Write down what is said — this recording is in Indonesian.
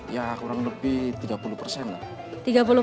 ya kurang lebih tiga puluh persen lah